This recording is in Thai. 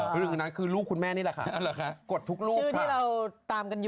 พรึ่งนั้นคือลูกคุณแม่นี่แหละค่ะ